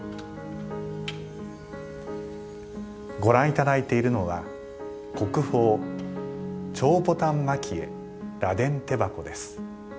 ご覧いただいているのは国宝「蝶牡丹蒔絵螺鈿手箱」です。